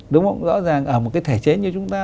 đúng không rõ ràng ở một cái thể chế như chúng ta